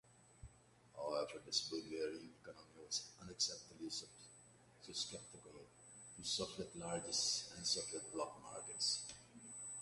However, this Bulgarian economy was exceptionally susceptible to Soviet largesse and Soviet-bloc markets.